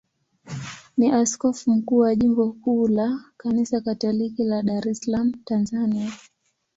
ni askofu mkuu wa jimbo kuu la Kanisa Katoliki la Dar es Salaam, Tanzania.